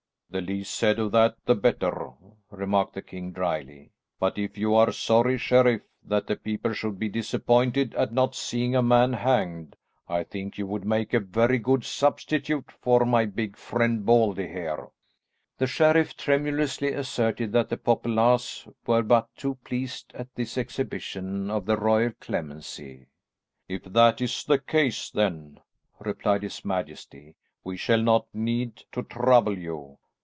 "The least said of that the better," remarked the king drily. "But if you are sorry, sheriff, that the people should be disappointed at not seeing a man hanged, I think you would make a very good substitute for my big friend Baldy here." The sheriff tremulously asserted that the populace were but too pleased at this exhibition of the royal clemency. "If that is the case then," replied his majesty, "we shall not need to trouble you.